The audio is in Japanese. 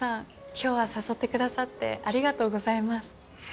今日は誘ってくださってありがとうございます。